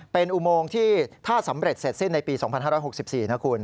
เป็นอุโมงที่ถ้าสำเร็จเสร็จสิ้นในปี๒๕๖๔นะคุณ